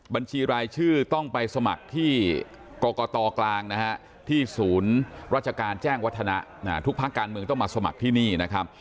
บัญชีรายชื่อต้องไปสมัครที่กรกตกลางนะฮะที่ศูนย์ราชการแจ้งวัฒนะทุกภาคการเมืองต้องมาสมัครที่นี่นะครับ